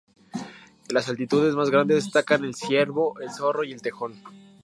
En las altitudes más grandes destacan el ciervo, el zorro y el tejón.